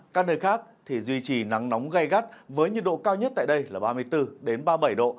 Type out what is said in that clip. các nơi khác thì duy trì nắng nóng gai gắt với nhiệt độ cao nhất tại đây là ba mươi bốn ba mươi bảy độ